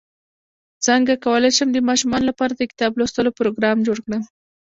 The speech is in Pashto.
څنګه کولی شم د ماشومانو لپاره د کتاب لوستلو پروګرام جوړ کړم